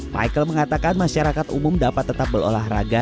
michael mengatakan masyarakat umum dapat tetap berolahraga